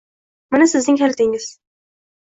Mana sizning kalitingiz.